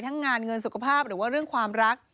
งานเงินสุขภาพหรือว่าเรื่องความรัก